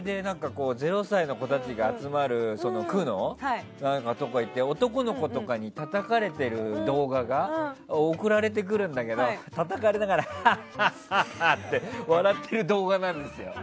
０歳の子たちが集まる区のところとか行って男の子とかにたたかれてる動画が送られてくるんだけどたたかれながらはっはっはって笑ってる動画なんですよ。